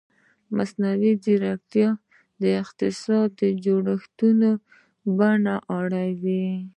مصنوعي ځیرکتیا د اقتصادي جوړښتونو بڼه اړوي.